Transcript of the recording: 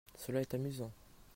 Cela est amusant.